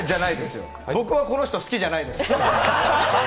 僕はこの人好きじゃないです。